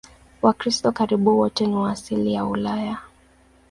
Wakristo karibu wote ni wa asili ya Ulaya.